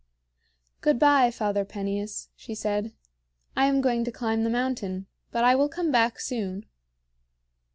"Good by, Father Peneus," she said. "I am going to climb the mountain; but I will come back soon."